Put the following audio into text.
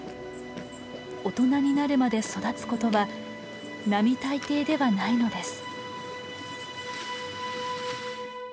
大人になるまで育つことは並大抵ではないのです。